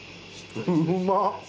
うまっ！